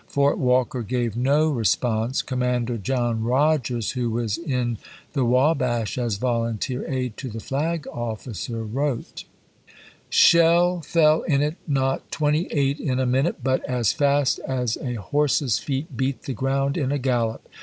Fort Walker gave no re VoL. v.— 2 18 ABRAHAM LINCOLN cavp. I. sponse. Commander John Rodgers — who was in the Wabash as volunteer aide to the flag officer, wrote : Shell fell in it, not twenty eight in a minute, but as fast as a horse's feet beat the ground in a gallop.